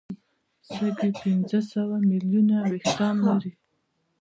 سږي پنځه سوه ملیونه وېښتان لري.